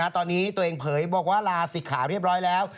ตอนนี้ตัวเองเผยบอกว่าลาศิกขาเรียบร้อยแล้ว